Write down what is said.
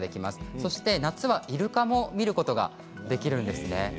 そして夏はイルカも見ることができるんですね。